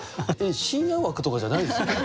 深夜枠とかじゃないですよね？